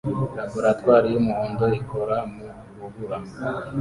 Laboratoire yumuhondo ikora mu rubura